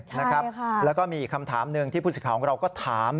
ใช่ค่ะแล้วก็มีอีกคำถามหนึ่งที่ผู้เสียหายของเราก็ถาม